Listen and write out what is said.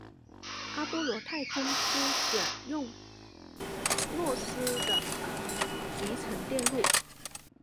阿波罗太空梭选用诺伊斯的集成电路。